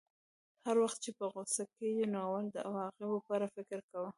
هر وخت چې په غوسه کېږې نو اول د عواقبو په اړه فکر کوه.